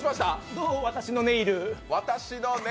どう、私のネイル？